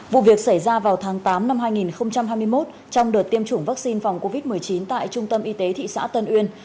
vụ việc xảy ra vào tháng tám năm hai nghìn hai mươi một trong đợt tiêm chủng vaccine phòng covid một mươi chín tại trung tâm y tế thị xã tân uyên